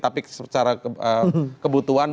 tapi secara kebutuhan